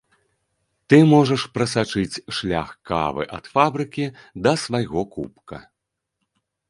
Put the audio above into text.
Ты можаш прасачыць шлях кавы ад фабрыкі да свайго кубка.